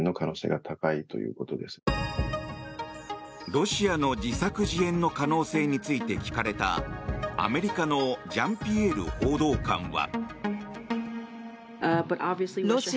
ロシアの自作自演の可能性について聞かれたアメリカのジャンピエール報道官は。